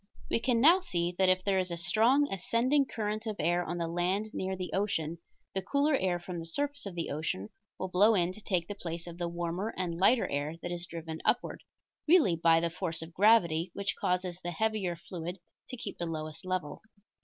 We can now see that if there is a strong ascending current of air on the land near the ocean the cooler air from the surface of the ocean will flow in to take the place of the warmer and lighter air that is driven upward, really by the force of gravity which causes the heavier fluid to keep the lowest level.